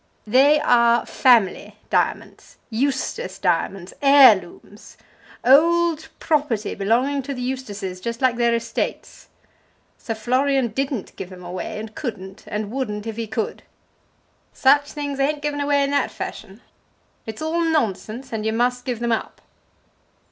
"They are family diamonds, Eustace diamonds, heirlooms, old property belonging to the Eustaces, just like their estates. Sir Florian didn't give 'em away, and couldn't, and wouldn't if he could. Such things ain't given away in that fashion. It's all nonsense, and you must give them up."